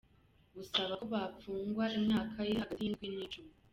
Busaba ko bopfungwa imyaka iri hagati y'indwi n'icumi.